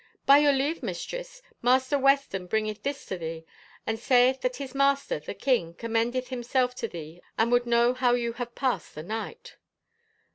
" By your leave, mistress. Master Weston bringeth this to thee, and sayeth that his master, the king, commendeth himself to thee and would know how you have passed the night."